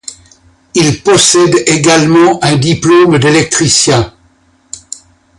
Il possède également un diplôme d'électricien.